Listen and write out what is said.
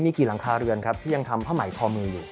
มีกี่หลังคาเรือนครับที่ยังทำผ้าไหมทอมืออยู่